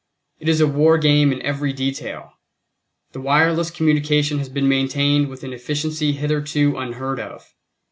It is a war game in every detail. The wireless communication has been maintained with an efficiency hitherto unheard of.